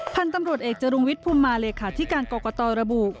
พันธุ์ตำรวจเอกจรุงวิทย์ภูมิมาเลขาธิการกรกตระบุ